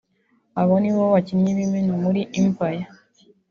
Aba ni bo bakinnyi b'imena muri Empire